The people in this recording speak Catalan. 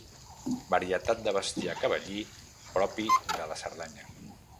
Varietat de bestiar cavallí propi de la Cerdanya.